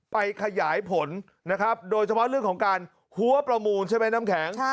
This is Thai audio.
ขยายผลนะครับโดยเฉพาะเรื่องของการหัวประมูลใช่ไหมน้ำแข็ง